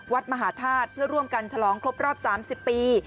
วัดมหาธาตุเพื่อร่วมกันฉลองครบรอบ๓๐ปี